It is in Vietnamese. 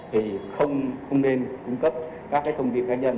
thì không nên cung cấp các thông tin cá nhân